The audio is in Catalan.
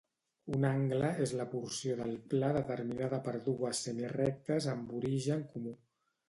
Un angle és la porció del pla determinada per dues semirectes amb origen comú